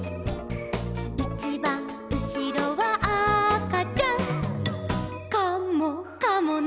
「いちばんうしろはあかちゃん」「カモかもね」